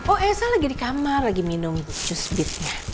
oh elsa lagi di kamar lagi minum jus bitnya